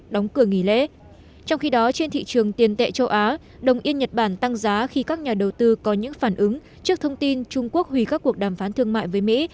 đồng ý với các nhà đầu tư có những phản ứng trước thông tin trung quốc hủy các cuộc đàm phán thương mại với mỹ